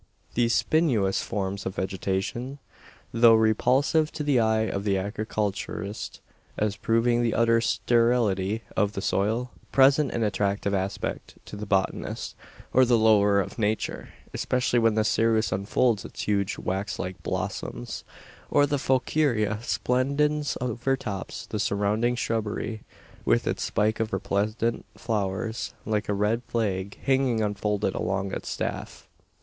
These spinous forms of vegetation, though repulsive to the eye of the agriculturist as proving the utter sterility of the soil present an attractive aspect to the botanist, or the lover of Nature; especially when the cereus unfolds its huge wax like blossoms, or the Fouquiera splendens overtops the surrounding shrubbery with its spike of resplendent flowers, like a red flag hanging unfolded along its staff.